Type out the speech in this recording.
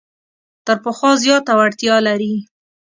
تر پخوا زیاته وړتیا لري.